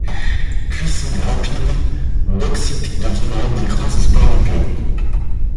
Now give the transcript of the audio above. Puissant et rapide, Bokšić devient l'un des grands espoirs du pays.